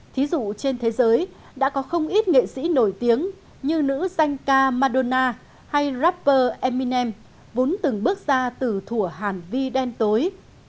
thí dụ trên thế giới đã có không ít nghệ sĩ nổi tiếng như nữ danh ca mardona hay rapper emmine vốn từng bước ra từ thủa hàn vi đen tối